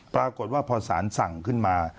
ปรากฏว่าพอสารสั่งขึ้นมา